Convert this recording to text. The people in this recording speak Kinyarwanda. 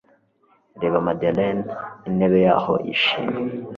Reba Madeleine intebe yaho yishimye